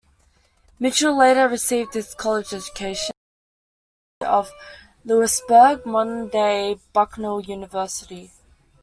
Mitchell later received his college education at the University of Lewisburg, modern-day Bucknell University.